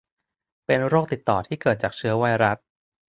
เป็นโรคติดต่อที่เกิดจากเชื้อไวรัส